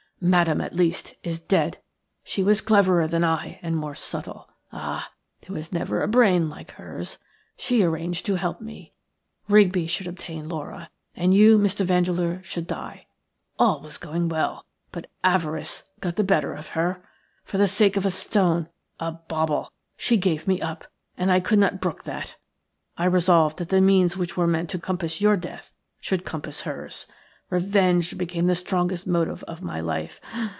Madame, at least, is dead. She was cleverer than I and more subtle. Ah! there never was a brain like hers. She arranged to help me; Rigby should obtain Laura, and you, Mr. Vandeleur, should die. All was going well, but avarice got the better of her. For the sake of a stone, a bauble, she gave me up, and I could not brook that. I resolved that the means which were meant to compass your death should compass hers. Revenge became the strongest motive of my life.